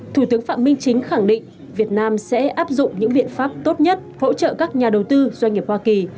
thủ tướng phạm minh chính khẳng định việt nam sẽ áp dụng những biện pháp tốt nhất hỗ trợ các nhà đầu tư doanh nghiệp hoa kỳ